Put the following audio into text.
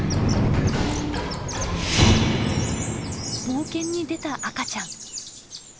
冒険に出た赤ちゃん。